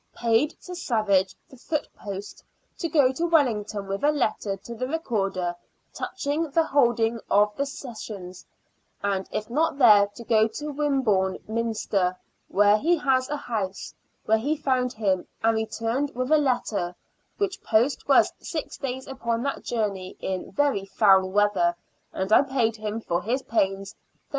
Paid to Savage, the foot post, to go to Wellington with a letter to the Recorder touching the holding of the Sessions, and if not there to go to Wimborne Minster, where he has a house, where he found him, and returned with a letter ; which post was six days upon that journey in very foul weather, and I paid him for his pains 13s.